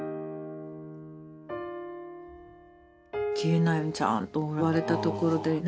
消えないようにちゃんと割れたところでね。